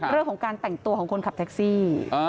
เรื่องของการแต่งตัวของคนขับแท็กซี่